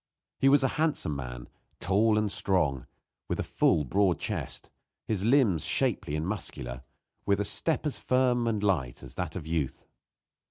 He was a handsome man, tall and strong, with a full, broad chest; his limbs shapely and muscular, with a step as firm and light as that of youth.